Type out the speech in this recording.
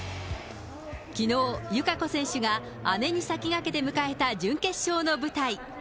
きのう、友香子選手が姉に先駆けて迎えた準決勝の舞台。